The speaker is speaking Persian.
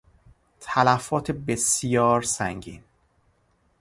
تلفات بسیار سنگین